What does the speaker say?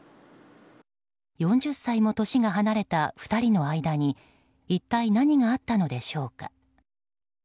４０歳も年が離れた２人の間に一体、何があったのでしょうか。